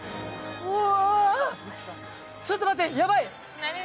うわ！